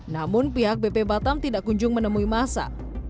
namun pihak bp batam tidak kunjung menemui masa